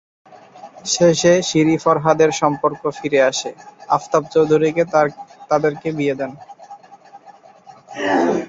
শেষে শিরি-ফরহাদের সম্পর্ক ফিরে আসে, আফতাব চৌধুরীকে তাদের কে বিয়ে দেন।